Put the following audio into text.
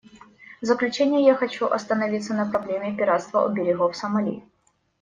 В заключение я хочу остановиться на проблеме пиратства у берегов Сомали.